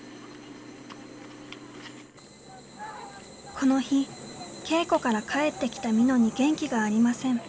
この日稽古から帰ってきたみのに元気がありません。